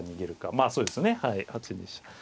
まあそうですねはい８二飛車。